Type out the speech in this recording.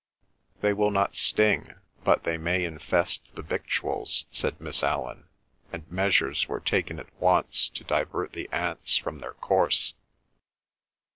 "They will not sting, but they may infest the victuals," said Miss Allan, and measures were taken at once to divert the ants from their course.